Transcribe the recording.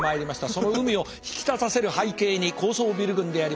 その海を引き立たせる背景に高層ビル群であります。